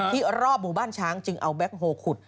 รอบหมู่บ้านช้างจึงเอาแก๊คโฮลขุด